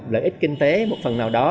lợi ích kinh tế một phần nào đó